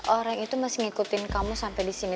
orang itu masih ngikutin kamu sampai disini